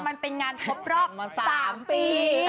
มันเป็นงานครบรอบ๓ปี